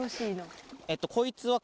こいつは。